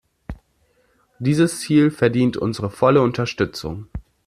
Dieses Ziel verdient unsere volle Unterstützung.